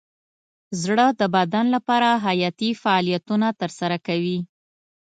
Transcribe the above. زړه د بدن لپاره حیاتي فعالیتونه ترسره کوي.